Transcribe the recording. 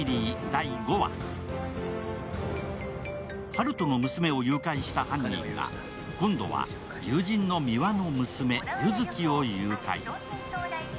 温人の娘を誘拐した犯人が、今度は友人の三輪の娘・優月を誘拐。